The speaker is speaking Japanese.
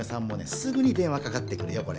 すぐに電話かかってくるよ